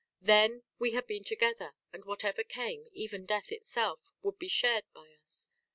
Then, we had been together, and whatever came, even death itself, would be shared by us.